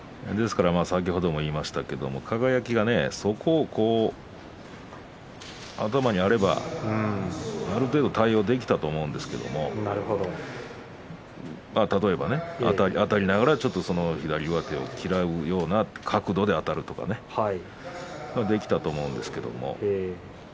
ですから、輝がそこが頭にあればある程度対応できたと思うんですけれども例えばあたりながらちょっと左上手を嫌うような角度であたるとかねできたと思うんですけれども。